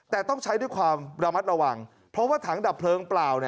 แต่ต้องใช้ด้วยความระมัดระวังเพราะว่าถังดับเพลิงเปล่า